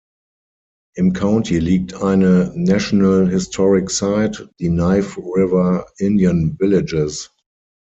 Im County liegt eine National Historic Site, die Knife River Indian Villages.